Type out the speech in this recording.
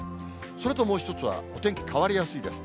それともう一つは、お天気変わりやすいです。